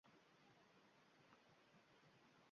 Hamma uchun emas, hamma uchun emas